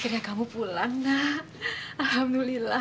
eh kalian ngapain kesini